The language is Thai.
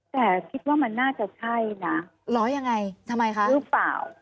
แต่คิดว่ามันน่าจะใช่นะล้อยังไงทำไมคะรูปเปล่า